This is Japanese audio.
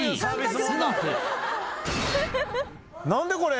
何でこれ。